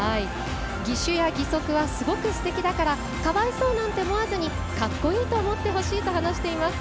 義手や義足はすごく、すてきだからかわいそうなんて思わずに格好いいと思ってほしいと話しています。